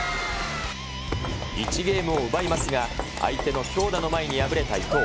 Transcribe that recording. １ゲームを奪いますが、相手の強打の前に敗れた伊藤。